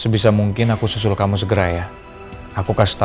sebisa mungkin aku susul kamu segera ya sebisa mungkin aku susul kamu segera ya